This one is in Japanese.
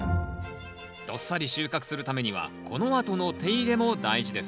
どっさり収穫するためにはこのあとの手入れも大事ですよ。